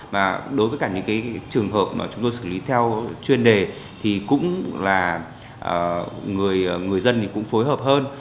và đối với cả những cái trường hợp mà chúng tôi xử lý theo chuyên đề thì cũng là người dân thì cũng phối hợp hơn